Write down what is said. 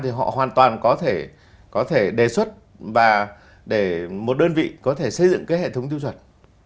thì họ hoàn toàn có thể có thể đề xuất và để một đơn vị có thể xây dựng cái hệ thống tiêu chuẩn